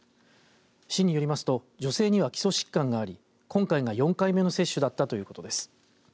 市によりますと女性には基礎疾患があり今回が４回目の接種だったということです。